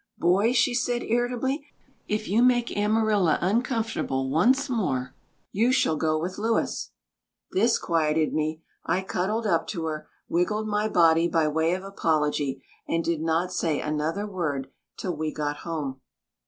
"Boy," she said irritably, "if you make Amarilla uncomfortable once more, you shall go in with Louis." This quieted me. I cuddled up to her, wiggled my body by way of apology, and did not say another word till we got home.